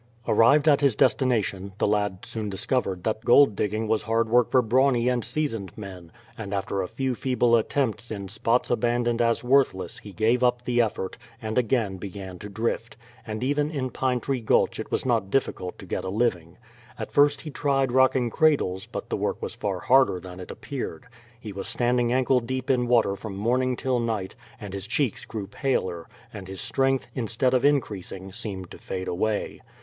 Arrived at his destination, the lad soon discovered that gold digging was hard work for brawny and seasoned men, and after a few feeble attempts in spots abandoned as worthless he gave up the effort, and again began to drift; and even in Pine Tree Gulch it was not difficult to get a living. At first he tried rocking cradles, but the work was far harder than it appeared. He was standing ankle deep in water from morning till night, and his cheeks grew paler, and his strength, instead of increasing, seemed to fade away.